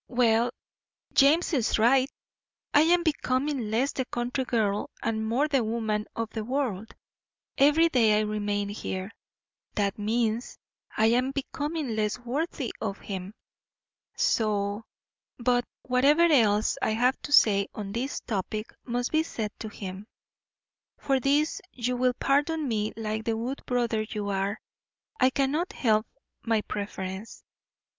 Well, James is right; I am becoming less the country girl and more the woman of the world every day I remain here. That means I am becoming less worthy of him. So But whatever else I have to say on this topic must be said to him. For this you will pardon me like the good brother you are. I cannot help my preference.